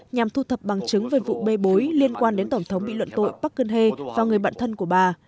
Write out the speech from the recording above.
nhằm thu thập bằng chứng về vụ bê bối liên quan đến tổng thống bị luận tội park geun hye và người bạn thân của bà